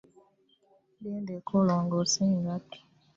Genda eka olongoose engatto.